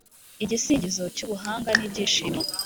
Igisingizo cy’ubuhanga n’ibyishimo